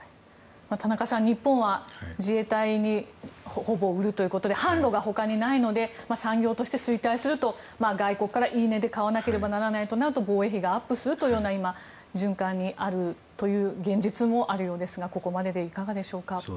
田中さん、日本は自衛隊にほぼ売るということで販路が他にないので産業として衰退すると、外国から言い値で買わないといけないとなると防衛費がアップするという循環にあるという現実もあるようですがここまででいかがでしょうか。